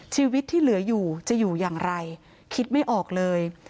ชีวิตที่เหลืออยู่จะอยู่อย่างไรคิดไม่ออกเลย